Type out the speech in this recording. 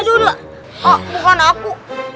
aduh bukan aku